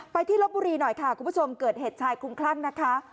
ที่ลบบุรีหน่อยค่ะคุณผู้ชมเกิดเหตุชายคลุมคลั่งนะคะ